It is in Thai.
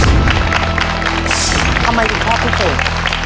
เอ่อทำไมอีกภาพพิเศษ